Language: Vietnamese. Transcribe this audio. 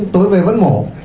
tối về vẫn mổ